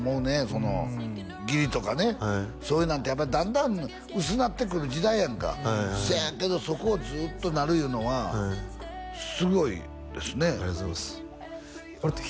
その義理とかねそういうなんってやっぱだんだん薄なってくる時代やんかせやけどそこをずっとなるいうのはすごいですねありがとうございます